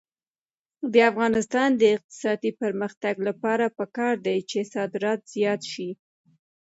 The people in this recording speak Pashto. د افغانستان د اقتصادي پرمختګ لپاره پکار ده چې صادرات زیات شي.